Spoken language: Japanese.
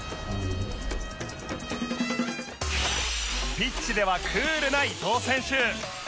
ピッチではクールな伊藤選手